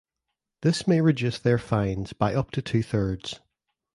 This may reduce their fines by up to two thirds.